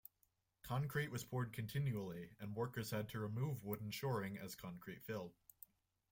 Concrete was poured continually and workers had to remove wooden shoring as concrete filled.